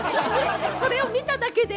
それを見ただけで？